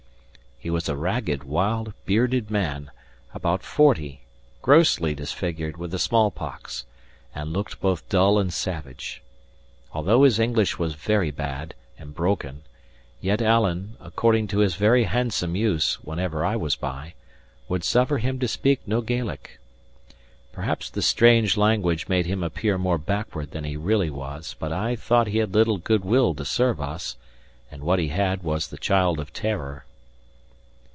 He was a ragged, wild, bearded man, about forty, grossly disfigured with the small pox, and looked both dull and savage. Although his English was very bad and broken, yet Alan (according to his very handsome use, whenever I was by) would suffer him to speak no Gaelic. Perhaps the strange language made him appear more backward than he really was; but I thought he had little good will to serve us, and what he had was the child of terror.